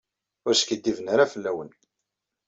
Ur skiddiben ara fell-awen.